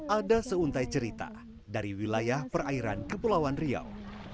ada seuntai cerita dari wilayah perairan kepulauan riau